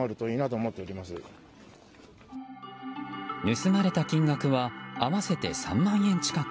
盗まれた金額は合わせて３万円近く。